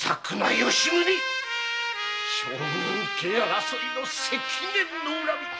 吉宗将軍家争いの積年の恨み